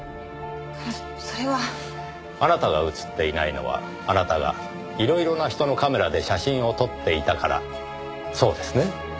それは。あなたが写っていないのはあなたがいろいろな人のカメラで写真を撮っていたからそうですね？